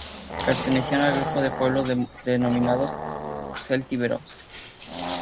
Pertenecían al grupo de pueblos denominados celtíberos.